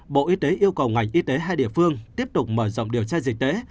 bộ y tế yêu cầu ngành y tế hai địa phương tiếp tục mở rộng điều tra dịch tễ